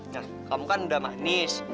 nah kamu kan udah manis